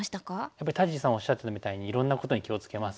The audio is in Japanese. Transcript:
やっぱり田尻さんおっしゃってたみたいにいろんなことに気を付けますし。